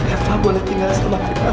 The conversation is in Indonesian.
eva boleh tinggal setelah kita